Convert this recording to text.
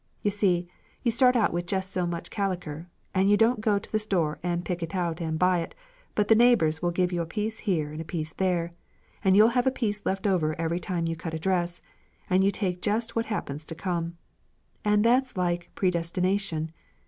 You see, you start out with jest so much caliker; you don't go to the store and pick it out and buy it, but the neighbours will give you a piece here and a piece there, and you'll have a piece left over every time you cut a dress, and you take jest what happens to come. And that's like predestination.